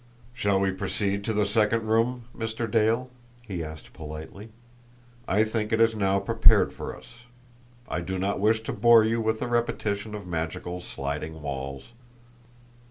"Shall we proceed to the second room, Mr. Dale?" he asked politely. "I think it is now prepared for us I do not wish to bore you with a repetition of magical sliding walls."